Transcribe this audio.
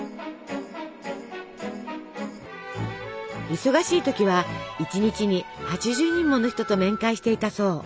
忙しい時は１日に８０人もの人と面会していたそう。